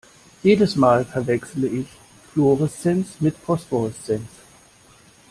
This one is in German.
Jedes Mal verwechsle ich Fluoreszenz mit Phosphoreszenz.